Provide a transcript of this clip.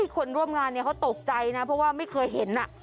คนร่วมงานเขาตกใจนะเพราะว่าไม่เคยเห็น